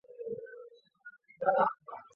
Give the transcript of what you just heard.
对行为及学习的研究都是神经科学的分支。